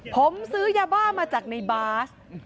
ผมซื้อยาบ้ามาจากในบาส